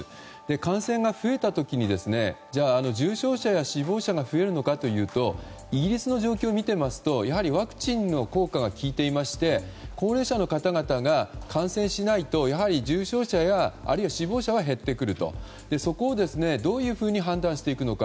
感染が増えた時にじゃあ、重症者や死亡者が増えるのかというとイギリスの状況を見てますとワクチンの効果が効いてまして高齢者の方々が感染しないとやはり重症者や死亡者は減ってくるとそこをどういうふうに判断してくるのか